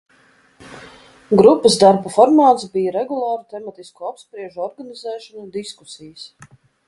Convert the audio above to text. Grupas darba formāts bija regulāru tematisko apspriežu organizēšana, diskusijas.